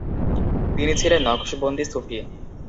তিনি ছিলেন নকশবন্দি সুফি।